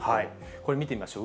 これ、見てみましょう。